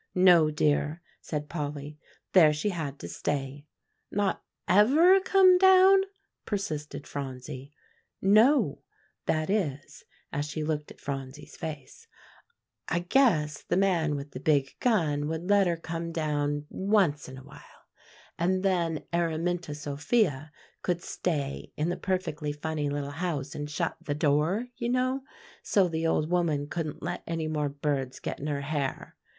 "No, dear," said Polly; "there she had to stay." "Not ever come down?" persisted Phronsie. "No; that is," as she looked at Phronsie's face, "I guess the man with the big gun would let her come down once in a while; and then Araminta Sophia could stay in the perfectly funny little house and shut the door, you know, so the old woman couldn't let any more birds get in her hair.